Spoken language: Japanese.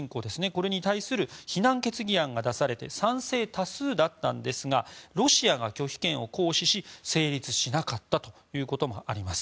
これに対する非難決議案が出され賛成多数だったんですがロシアが拒否権を行使し成立しなかったということがあります。